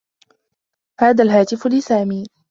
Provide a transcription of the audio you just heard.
هذا الهاتف لسامي.